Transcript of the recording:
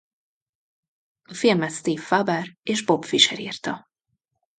A filmet Steve Faber és Bob Fisher írta.